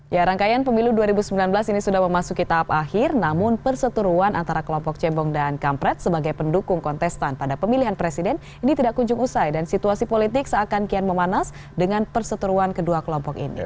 ya rangkaian pemilu dua ribu sembilan belas ini sudah memasuki tahap akhir namun perseturuan antara kelompok cebong dan kampret sebagai pendukung kontestan pada pemilihan presiden ini tidak kunjung usai dan situasi politik seakan kian memanas dengan perseteruan kedua kelompok ini